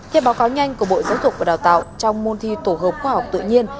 theo báo cáo nhanh của bộ giáo dục và đào tạo trong môn thi tổ hợp khoa học tự nhiên